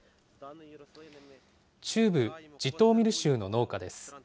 中部ジトーミル州の農家です。